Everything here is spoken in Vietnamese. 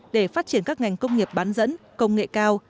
để phát triển các ngành công nghiệp bán dẫn công nghệ cao